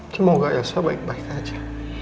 cuma moga elsa baik baik aja